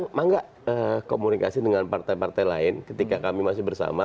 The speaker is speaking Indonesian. memang nggak komunikasi dengan partai partai lain ketika kami masih bersama